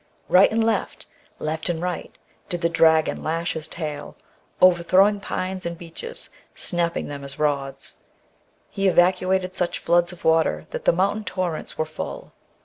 Right and left, left and ORIGIN OF THE WERE WOLF MYTH. 173 right, did the dragon lash his tail, overthrowing pines and beeches, snapping them as rods. He evacuated such floods of water that the mountain torrents were full.